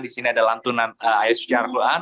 di sini ada lantunan ayu sejarah tuhan